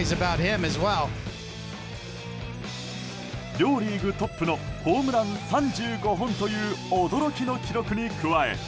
両リーグトップのホームラン３５本という驚きの記録に加え